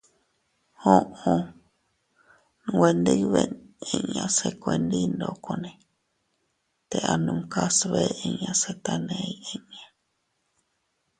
Uʼu.- Nwe ndibeʼn inña se kuendi ndokone te anumkas bee inña se taney inña.